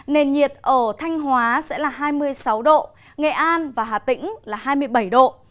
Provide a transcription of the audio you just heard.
nền nhiệt ở thanh hóa sẽ là hai mươi sáu độ nghệ an và hà tĩnh là hai mươi bảy độ